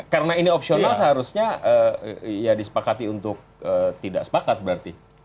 karena ini opsional seharusnya ya disepakati untuk tidak sepakat berarti